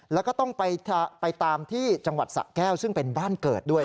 แล้วก็ต้องไปตามที่จังหวัดสะแก้วซึ่งเป็นบ้านเกิดด้วย